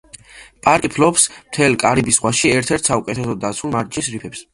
პარკი ფლობს მთელს კარიბის ზღვაში ერთ-ერთ საუკეთესოდ დაცულ მარჯნის რიფებს.